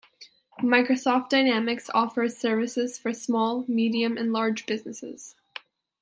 Microsoft Dynamics offers services for small, medium, and large businesses.